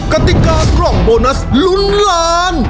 กติกากล่องโบนัสลุ้นล้าน